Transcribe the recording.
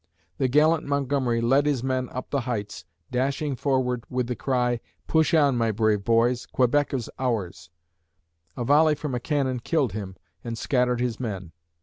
The gallant Montgomery led his men up the heights, dashing forward with the cry, "Push on, my brave boys! Quebec is ours!" A volley from a cannon killed him and scattered his men.